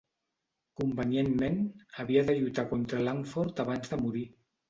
Convenientment, havia de lluitar contra Langford abans de morir.